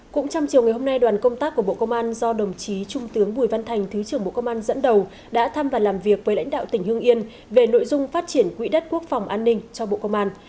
cũng trong chiều ngày hôm nay đoàn công tác của bộ công an do đồng chí trung tướng bùi văn thành thứ trưởng bộ công an dẫn đầu đã thăm và làm việc với lãnh đạo tỉnh hương yên về nội dung phát triển quỹ đất quốc phòng an ninh cho bộ công an